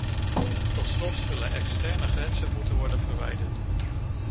Tot slot zullen externe grenzen moeten worden verwijderd.